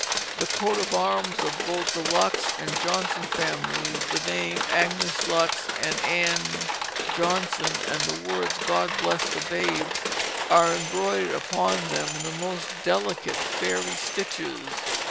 The coat of arms of both the Lux and Johnson families, the name Agnes Lux and Anne Johnson, and the words "God bless the Babe" are embroidered upon them in most delicate fairy stitches.